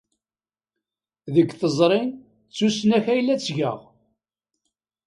Deg teẓri, d tusnakt ay la ttgeɣ.